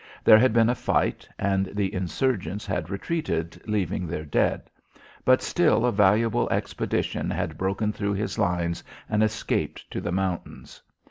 There had been a fight and the insurgents had retreated leaving their dead, but still a valuable expedition had broken through his lines and escaped to the mountains.